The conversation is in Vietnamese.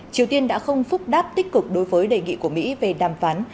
triều tiên đã không phúc đáp tích cực đối với đề nghị của mỹ về đàm phán